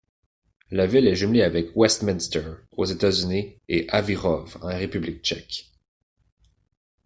La ville est jumelée avec Westminster aux États-Unis et Havířov en République tchèque.